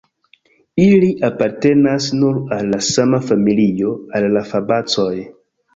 Ili apartenas nur al la sama familio, al la fabacoj.